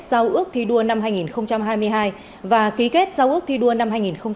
giao ước thi đua năm hai nghìn hai mươi hai và ký kết giao ước thi đua năm hai nghìn hai mươi